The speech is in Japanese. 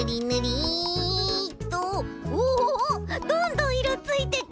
おどんどんいろついてく。